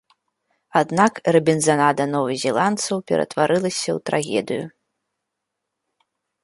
Аднак рабінзанада новазеландцаў ператварылася ў трагедыю.